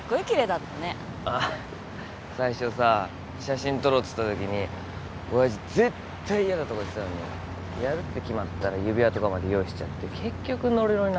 あっ最初さ写真撮ろうっつったときに親父絶対嫌だとか言ってたのにやるって決まったら指輪とかまで用意しちゃって結局ノリノリなんだもんあれ。